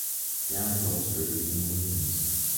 Gaucourt street in Orleans.